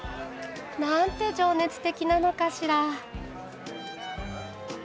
なんて情熱的なのかしら。